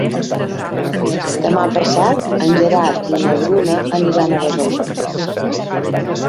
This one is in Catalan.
Demà passat en Gerard i na Bruna aniran a Besalú.